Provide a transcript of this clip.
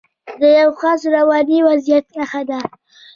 د یوه خاص رواني وضعیت نښه ده.